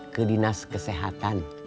ke dinas kesehatan